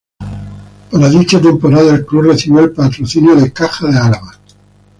Para dicha temporada el club recibió el patrocinio de Caja de Álava.